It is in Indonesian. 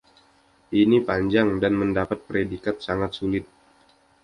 Ini panjang, dan mendapat predikat “Sangat Sulit”.